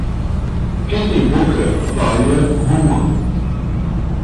Quem tem boca, vaia Roma